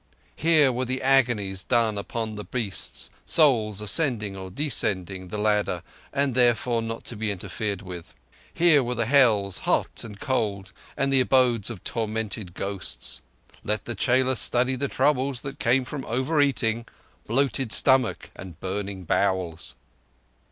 Here were the agonies done upon the beasts, souls ascending or descending the ladder and therefore not to be interfered with. Here were the Hells, hot and cold, and the abodes of tormented ghosts. Let the chela study the troubles that come from over eating—bloated stomach and burning bowels.